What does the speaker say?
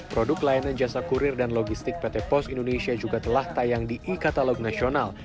produk layanan jasa kurir dan logistik pt pos indonesia juga telah tayang di e katalog nasional